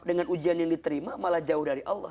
dengan ujian yang diterima malah jauh dari allah